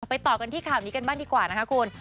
ต่อกันที่ข่าวนี้กันบ้างดีกว่านะคะคุณ